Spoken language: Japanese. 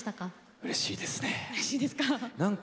うれしいですか。